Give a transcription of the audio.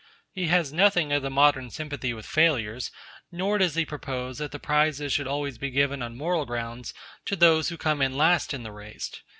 He has nothing of the modern sympathy with failures, nor does he propose that the prizes should always be given on moral grounds to those who come in last in the race.